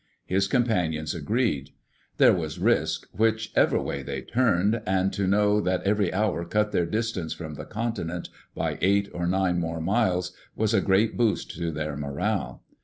His companions agreed. There was risk, whichever way they turned, and to know that every hour cut their distance from the continent by eight or nine more miles was a great boost to their morale.